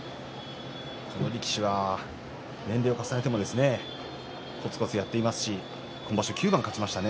この力士は年齢を重ねてもこつこつやっていますし今場所、９番勝ちましたね。